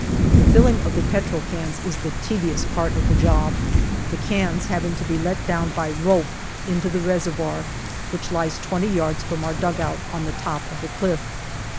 The filling of the petrol cans is the tedious part of the job, the cans having to be let down by a rope into the reservoir, which lies twenty yards from our dugout on the top of the cliff.